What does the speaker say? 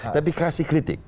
tapi berikan kritik